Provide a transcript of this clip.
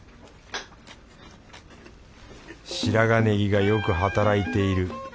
白髪ネギがよく働いている。